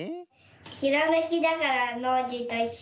ひらめきだからノージーといっしょで。